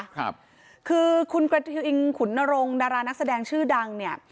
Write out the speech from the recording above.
ครับคือคุณกระทิวอิงขุนนรงดารานักแสดงชื่อดังเนี่ย